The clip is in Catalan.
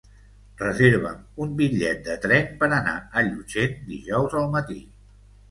Reserva'm un bitllet de tren per anar a Llutxent dijous al matí.